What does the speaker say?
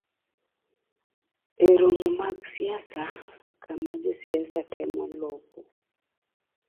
E romo mag siasa, kama josiasa temo loko